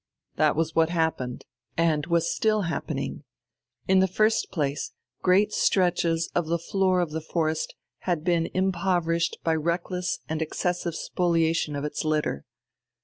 That was what happened, and was still happening. In the first place great stretches of the floor of the forest had been impoverished by reckless and excessive spoliation of its litter.